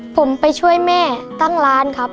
ผมไปช่วยแม่ตั้งร้านครับ